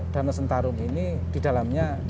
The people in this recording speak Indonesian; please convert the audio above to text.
danau sentarung ini di dalamnya